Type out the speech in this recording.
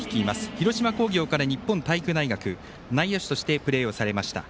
広島工業から日本体育大学、内野手としてプレーをされました。